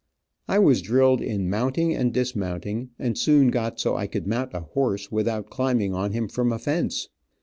I was drilled in mounting and dismounting, and soon got so I could mount a horse without climbing on to him from a fence.